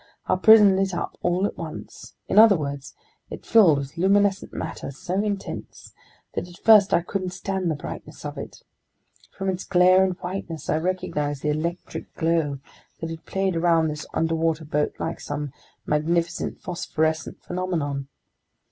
Our prison lit up all at once; in other words, it filled with luminescent matter so intense that at first I couldn't stand the brightness of it. From its glare and whiteness, I recognized the electric glow that had played around this underwater boat like some magnificent phosphorescent phenomenon.